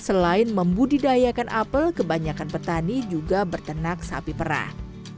selain membudidayakan apel kebanyakan petani juga bertenak sapi perah